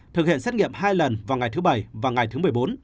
thực hiện xét nghiệm hai lần vào ngày thứ bảy và ngày thứ một mươi bốn